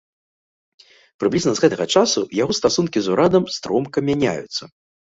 Прыблізна з гэтага часу яго стасункі з урадам стромка мяняюцца.